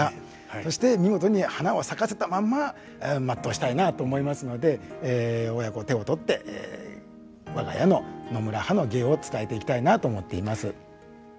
そして見事に花を咲かせたまんま全うしたいなと思いますので親子手を取って我が家の野村派の芸を伝えていきたいなと思っています。